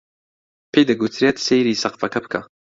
پێی دەگوترێت سەیری سەقفەکە بکە